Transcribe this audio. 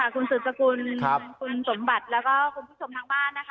คุณสืบสกุลคุณสมบัติแล้วก็คุณผู้ชมทางบ้านนะคะ